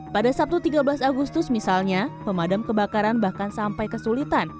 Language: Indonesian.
pada sabtu tiga belas agustus misalnya pemadam kebakaran bahkan sampai kesulitan